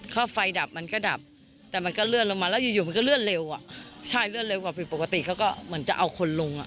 ถ้าไฟดับมันก็ดับแต่มันก็เลื่อนลงมาแล้วอยู่อยู่มันก็เลื่อนเร็วอ่ะใช่เลื่อนเร็วกว่าผิดปกติเขาก็เหมือนจะเอาคนลงอ่ะ